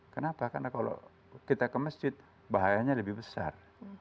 kenapa karena kalau kita ke masjid bahayanya lebih besar